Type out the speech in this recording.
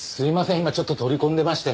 今ちょっと取り込んでまして。